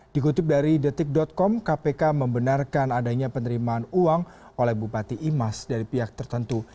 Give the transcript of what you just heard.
dikutip dari detik com kpk membenarkan adanya penerimaan uang oleh bupati imas dari pihak tertentu